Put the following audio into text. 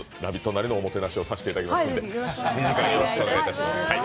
なりのおもてなしをさせていただきますので２時間お願いします。